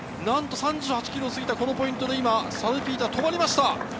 ３８ｋｍを過ぎたポイントでサルピーターが止まりました。